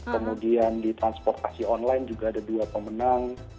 kemudian di transportasi online juga ada dua pemenang